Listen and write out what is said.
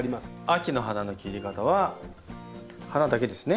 秋の花の切り方は花だけですね？